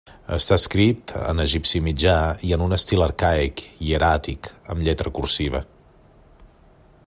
Està escrit en egipci mitjà i en un estil arcaic hieràtic, amb lletra cursiva.